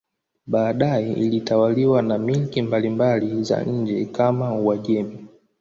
Baadaye ilitawaliwa na milki mbalimbali za nje kama Uajemi.